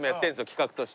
企画として。